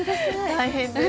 大変です。